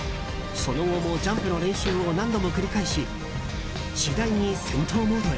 その後もジャンプの練習を何度も繰り返し次第に戦闘モードへ。